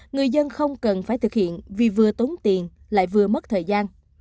người dân không cần phải thực hiện vì vừa tốn tiền lại vừa mất thời gian